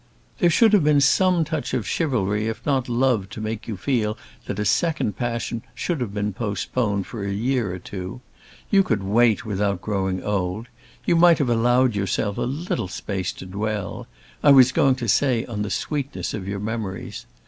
"There should have been some touch of chivalry if not of love to make you feel that a second passion should have been postponed for a year or two. You could wait without growing old. You might have allowed yourself a little space to dwell I was going to say on the sweetness of your memories.